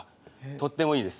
とってもいいです。